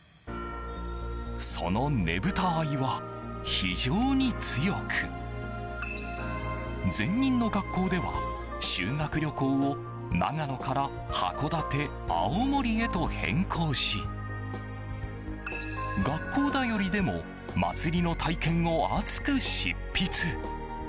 そのねぶた愛は非常に強く前任の学校では修学旅行を長野から函館、青森へと変更し学校だよりでも祭りの体験を熱く執筆。